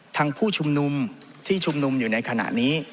ผู้ชุมนุมที่ชุมนุมอยู่ในขณะนี้